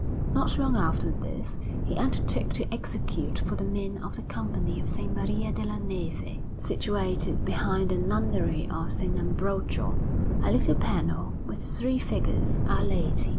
Not long after this, he undertook to execute for the men of the Company of S. Maria della Neve, situated behind the Nunnery of S. Ambrogio, a little panel with three figures Our Lady, S.